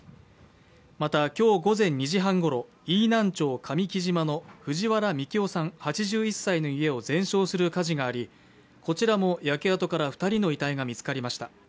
また今日午前２時半ごろ、飯南町上来島の藤原幹男さん８１歳の家を全焼する火事があり、こちらも焼け跡から２人の遺体が見つかりました。